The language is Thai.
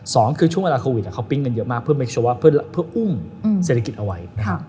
สองคือช่วงเวลาโควิดเขาปิ๊งเงินเยอะมากเพื่ออุ้มเศรษฐกิจเอาไว้